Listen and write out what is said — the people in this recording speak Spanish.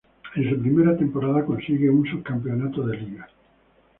En su primera temporada consigue un subcampeonato de Liga.